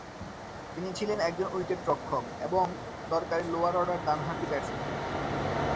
তিনি ছিলেন একজন উইকেটরক্ষক এবং দরকারী লোয়ার অর্ডার ডানহাতি ব্যাটসম্যান।